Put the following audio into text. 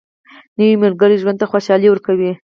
نوې ملګرې ژوند ته خوشالي ورکوي